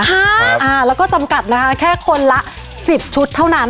ครับอ่าแล้วก็จำกัดนะคะแค่คนละสิบชุดเท่านั้น